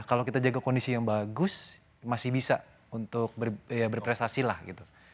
tapi kalau kondisi yang bagus masih bisa untuk berprestasi lah gitu